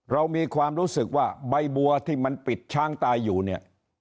เรามีความรู้สึกว่าใบบัวที่มันปิดช้างตายอยู่เนี่ย